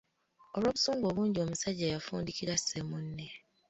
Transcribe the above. Olw’obusungu obungi, omusajja yafundikira asse munne.